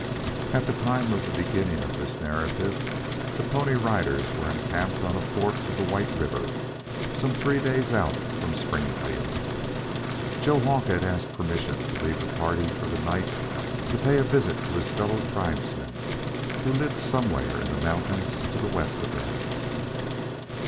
At the time of the beginning of this narrative the Pony Riders were encamped on a fork of the White River some three days out from Springfield. Joe Hawk had asked permission to leave the party for the night to pay a visit to a fellow tribesman who lived somewhere in the mountains to the west of them.